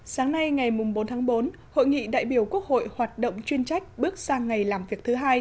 sáng nay ngày bốn tháng bốn hội nghị đại biểu quốc hội hoạt động chuyên trách bước sang ngày làm việc thứ hai